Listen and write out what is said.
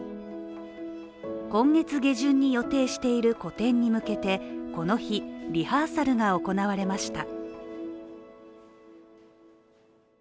今月下旬に予定している個展に向けてこの日、リハーサルが行われました。